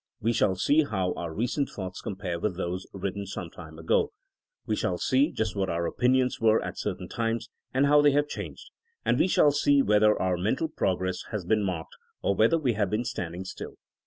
We shall see how our recent thoughts compare with those written sometime ago. We shall see just what our opinions were at certain times, and how they have changed. And we shall see whether our mental progress has been marked, or whether we have been stand ing still.